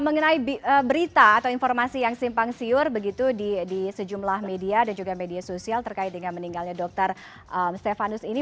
mengenai berita atau informasi yang simpang siur begitu di sejumlah media dan juga media sosial terkait dengan meninggalnya dokter stefanus ini